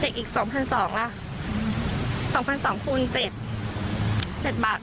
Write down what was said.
เซ็กอีก๒๐๐๐บาทเหรอ๒๐๐๒บาทคูณ๗๐๐๐บาท